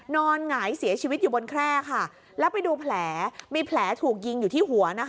หงายเสียชีวิตอยู่บนแคร่ค่ะแล้วไปดูแผลมีแผลถูกยิงอยู่ที่หัวนะคะ